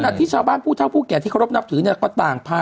ที่ชาวบ้านผู้เท่าผู้แก่ที่เคารพนับถือเนี่ยก็ต่างพา